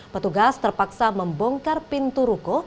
petugas terpaksa membongkar pintu ruko